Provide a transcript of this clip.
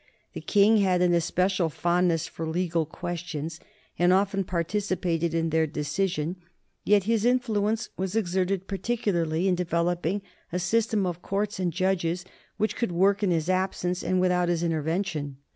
The king had an especial fondness for legal questions and often participated in their decision, yet his influence was exerted particularly to develop a system of courts and judges which could work in his absence and with out his intervention.